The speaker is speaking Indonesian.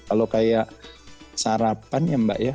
kalau kayak sarapan ya mbak ya